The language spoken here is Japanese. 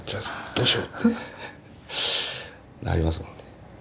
どうしようってなりますもんね。